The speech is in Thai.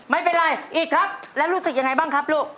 ไม่เป็นไรอีกครับแล้วรู้สึกยังไงบ้างครับลูก